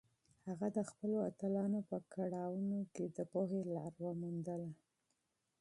هغه د خپلو اتلانو په کړاوونو کې د پوهې لاره موندله.